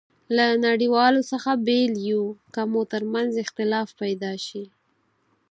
له نړیوالو څخه بېل یو، که مو ترمنځ اختلافات پيدا شي.